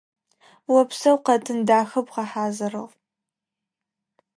Опсэу, къэтын дахэ бгъэхьазырыгъ.